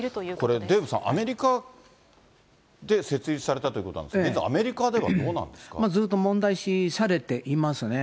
これ、デーブさん、アメリカで設立されたということなんですが、アメリカではどうなずっと問題視されていますね。